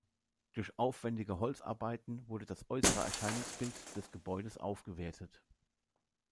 Durch aufwändige Holzarbeiten wurde das äußere Erscheinungsbild des Gebäudes aufgewertet.